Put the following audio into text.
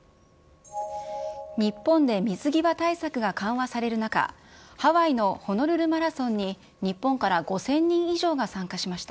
日本で水際対策が緩和される中、ハワイのホノルルマラソンに、日本から５０００人以上が参加しました。